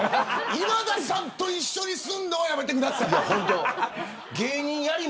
今田さんと一緒にするのはやめてください。